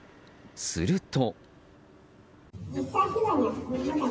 すると。